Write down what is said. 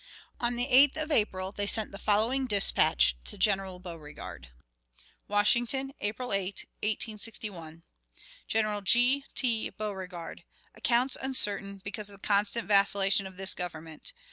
On the 8th of April they sent the following dispatch to General Beauregard: "Washington, April 8, 1861. "General G. T. Beauregard: Accounts uncertain, because of the constant vacillation of this Government.